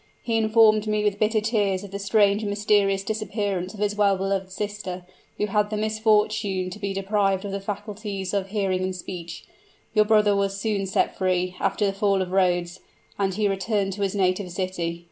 He informed me with bitter tears of the strange and mysterious disappearance of his well beloved sister, who had the misfortune to be deprived of the faculties of hearing and speech. Your brother was soon set free, after the fall of Rhodes, and he returned to his native city.